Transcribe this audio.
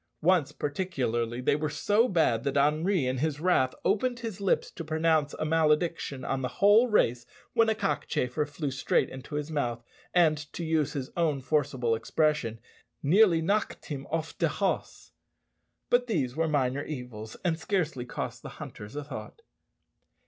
Once particularly they were so bad that Henri in his wrath opened his lips to pronounce a malediction on the whole race, when a cockchafer flew straight into his mouth, and, to use his own forcible expression, "nearly knocked him off de hoss." But these were minor evils, and scarcely cost the hunters a thought.